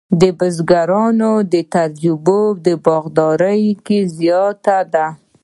د بزګرانو تجربه په باغدارۍ کې زیاته ده.